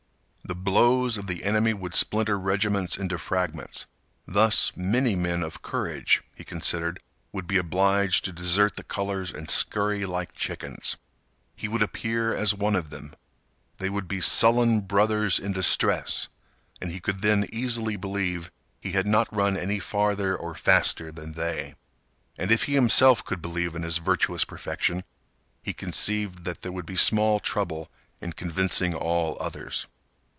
The blows of the enemy would splinter regiments into fragments. Thus, many men of courage, he considered, would be obliged to desert the colors and scurry like chickens. He would appear as one of them. They would be sullen brothers in distress, and he could then easily believe he had not run any farther or faster than they. And if he himself could believe in his virtuous perfection, he conceived that there would be small trouble in convincing all others.